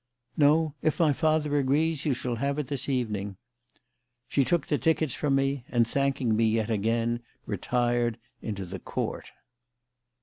"No; if my father agrees, you shall have it this evening." She took the tickets from me, and, thanking me yet again, retired into the court.